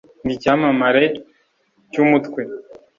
Ndi icyamamare cy’ umutwe.